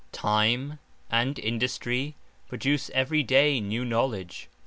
Time, and Industry, produce every day new knowledge.